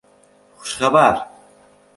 Xushxabar!